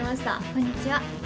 こんにちは。